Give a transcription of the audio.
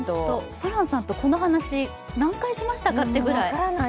ホランさんとこの話、何回しましたかっていうくらい。